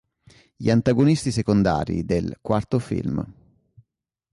Gli antagonisti secondari del quarto film.